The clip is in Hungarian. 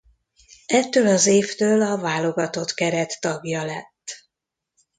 Ettől az évtől a válogatott keret tagja lett.